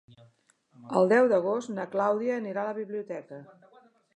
El deu d'agost na Clàudia anirà a la biblioteca.